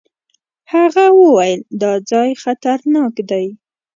هغه وويل دا ځای خطرناک دی.